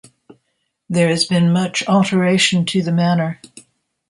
There has been much alteration to the manor.